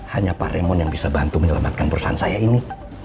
hanya pak remon yang bisa bantu menyelamatkan perusahaan saya ini